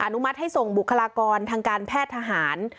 นุมัติให้ส่งบุคลากรทางการแพทย์ทหาร